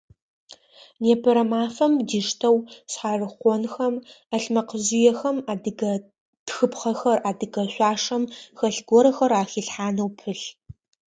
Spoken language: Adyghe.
Непэрэ мафэм диштэу шъхьарыхъонхэм, ӏэлъмэкъыжъыехэм адыгэ тхыпхъэхэр, адыгэ шъуашэм хэлъ горэхэр ахилъхьанэу пылъ.